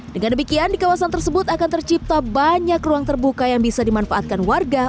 dengan demikian di kawasan tersebut akan tercipta banyak ruang terbuka yang bisa dimanfaatkan warga